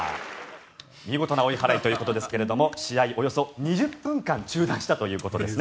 見事な追い払いということですが試合、およそ２０分間中断したということです。